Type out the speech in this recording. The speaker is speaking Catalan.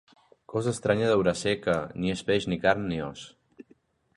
Cosa estranya deurà ser, que ni es peix, ni carn, ni os.